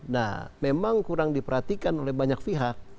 nah memang kurang diperhatikan oleh banyak pihak